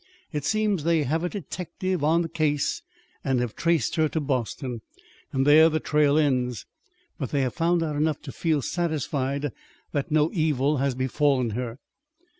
It seems they have had a detective on the case, and have traced her to Boston. There the trail ends. But they have found out enough to feel satisfied that no evil has befallen her.